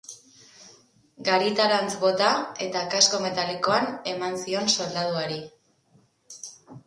Garitarantz bota, eta kasko metalikoan eman zion soldaduari.